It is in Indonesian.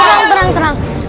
tenang tenang tenang